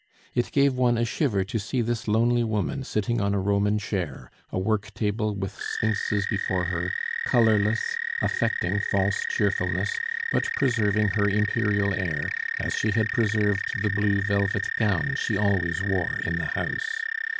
It gave one a shiver to see this lonely woman sitting on a Roman chair, a work table with sphinxes before her, colorless, affecting false cheerfulness, but preserving her imperial air, as she had preserved the blue velvet gown she always wore in the house.